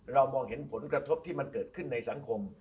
มองเห็นผลกระทบที่มันเกิดขึ้นในสังคม